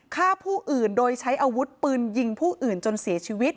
ฆ่าผู้อื่นโดยใช้อาวุธปืนยิงผู้อื่นจนเสียชีวิต